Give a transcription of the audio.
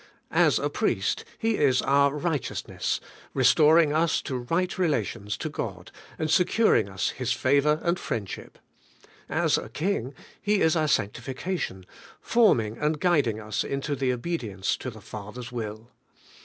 As a priest, He is our righteousness, restoring us to right relations to God, and securing us His favour and friendship. As a king. He is our sanctification, forming and guiding AS YOUR REDEMPTION, 81 US into the obedience to the Father's will.